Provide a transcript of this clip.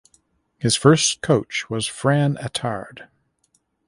His first coach was Fran Attard.